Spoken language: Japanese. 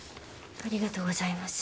ありがとうございます。